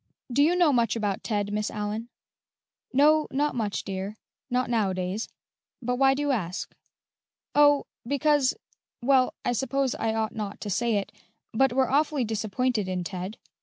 "Do you know much about Ted, Miss Allyn?" "No, not much, dear not nowadays; but why do you ask?" "Oh, because well, I suppose I ought not to say it, but we're awfully disappointed in Ted.